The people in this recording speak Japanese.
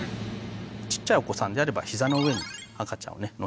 ちっちゃいお子さんであれば膝の上に赤ちゃんをね